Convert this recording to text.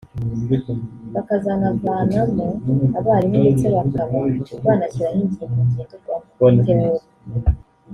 bakazanavamo abarimu ndetse bakaba banashyiraho ingingo ngenderwaho (theories)